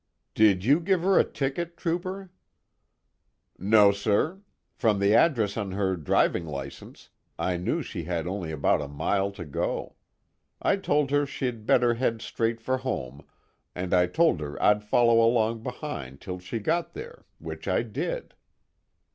"Did you give her a ticket, Trooper?" "No, sir. From the address on her driving license I knew she had only about a mile to go. I told her she'd better head straight for home, and I told her I'd follow along behind till she got there, which I did."